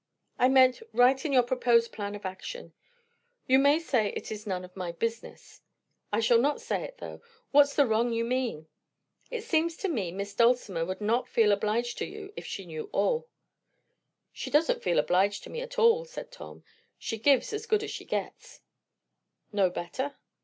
"I meant, right in your proposed plan of action. You may say it is none of my business." "I shall not say it, though. What's the wrong you mean?" "It seems to me Miss Dulcimer would not feel obliged to you, if she knew all." "She doesn't feel obliged to me at all," said Tom. "She gives a good as she gets." "No better?"